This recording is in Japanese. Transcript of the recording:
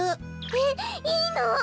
えっいいの？